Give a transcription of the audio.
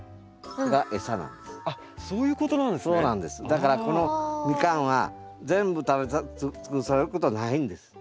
だからこのミカンは全部食べ尽くされることはないんです。